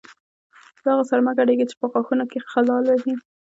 له هغو سره مه ګډېږئ چې په غاښونو کې خلال وهي.